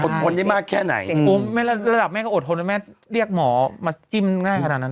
อดทนได้มากแค่ไหนผมระดับเรียกหมอมาจิ้มง่ายขนาดนั้นนะ